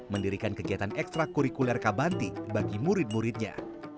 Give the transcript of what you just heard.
mendirikan kegiatan ekstra kurikuler kabanti bagi murid muridnya